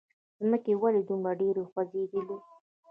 ځمکې! ولې دومره ډېره خوځېدلې؟